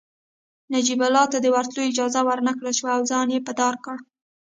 نجیب الله ته د وتلو اجازه ورنکړل شوه او ځان يې په دار کړ